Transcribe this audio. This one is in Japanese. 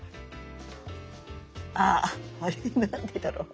あっあれ何でだろう？